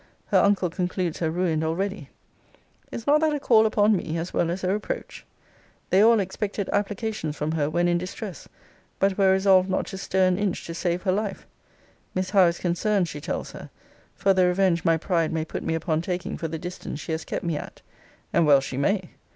Her uncle concludes her ruined already.' Is not that a call upon me, as well as a reproach? 'They all expected applications from her when in distress but were resolved not to stir an inch to save her life.' Miss Howe 'is concerned,' she tells her, 'for the revenge my pride may put me upon taking for the distance she has kept me at' and well she may.